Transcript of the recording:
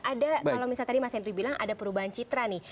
ada kalau misalnya tadi mas henry bilang ada perubahan citra nih